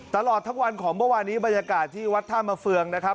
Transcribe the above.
ตลอดทั้งวันของเมื่อวานนี้บรรยากาศที่วัดท่ามาเฟืองนะครับ